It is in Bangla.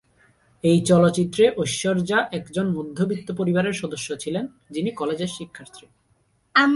এই চলচ্চিত্রে, ঐশ্বর্যা একজন মধ্যবিত্ত পরিবারের সদস্য ছিলেন, যিনি কলেজের শিক্ষার্থী।